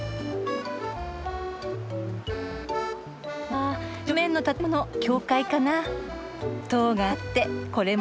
あ正面の建物教会かな。